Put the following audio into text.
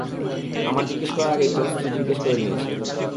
আমার জিজ্ঞেস করার আগেই তোর স্ত্রী জিজ্ঞেস করে নিয়েছে।